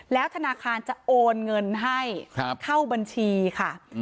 แล้วธนาคารจะโอนเงินให้เข้าบัญชีค่ะ